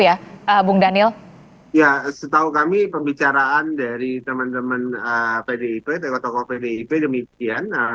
ya setahu kami pembicaraan dari teman teman pdip tokoh pdip demikian